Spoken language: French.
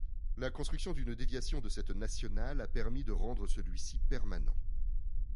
La construction d'une déviation de cette nationale a permis de rendre celui-ci permanent.